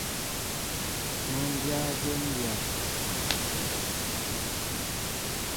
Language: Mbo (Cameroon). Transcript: Má dyă jǒm dyá.